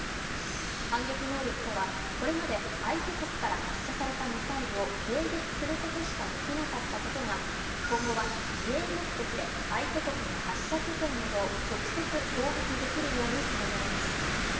反撃能力とはこれまで相手国から発射されたミサイルを迎撃することしかできなかったことが今後は自衛目的で相手国の発射拠点などを直接攻撃できるようにするものです。